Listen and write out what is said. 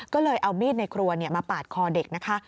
ก็เลยเอามีดในครัวมาปาดคอเด็กนะคะ